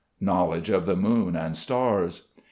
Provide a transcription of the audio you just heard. _Knowledge of the Moon and Stars.